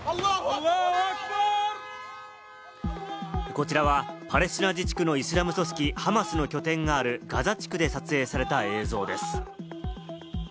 こちらはパレスチナ自治区のイスラム組織ハマスの拠点があるガザ地区で撮影された映像です。